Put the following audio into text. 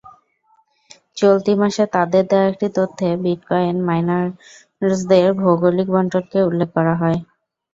চলতি মাসে তাদের দেয়া একটি তথ্যে বিটকয়েন মাইনারসদের ভৌগোলিক বণ্টনকে উল্লেখ করা হয়।